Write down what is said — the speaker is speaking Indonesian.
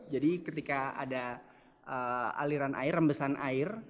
jadi ketika ada aliran air rembesan air